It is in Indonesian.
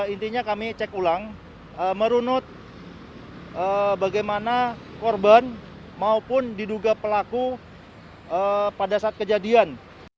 intinya kami cek ulang merunut bagaimana korban maupun diduga pelaku pada saat kejadian